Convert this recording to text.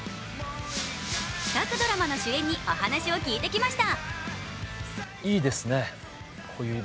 各ドラマの主演にお話を聞いてきました。